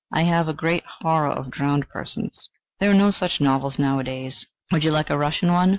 I have a great horror of drowned persons." "There are no such novels nowadays. Would you like a Russian one?"